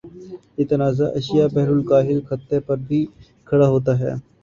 یہ تنازع ایشیا بحرالکاہل خطے پر بھی کھڑا ہوتا ہے